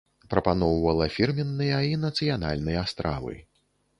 Прапаноўвала фірменныя і нацыянальныя стравы.